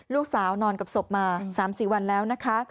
ลูกสาวนอนกับศพมา๓๔วันแล้ว